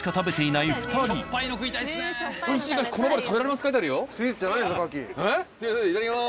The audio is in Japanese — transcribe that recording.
いただきます。